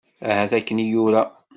Ahat akken i yura.